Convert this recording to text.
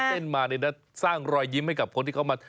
เต้นไปเต้นมาสร้างรอยยิ้มให้กับพวกที่เขามา